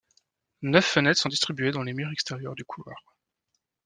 Neuf fenêtres sont distribuées dans les murs extérieurs du couloir.